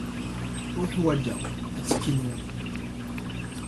Uḥwaǧeɣ attekki-nwen.